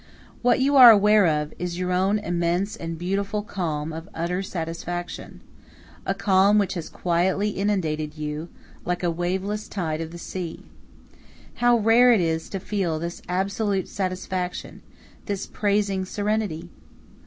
What you are aware of is your own immense and beautiful calm of utter satisfaction a calm which has quietly inundated you, like a waveless tide of the sea. How rare it is to feel this absolute satisfaction, this praising serenity!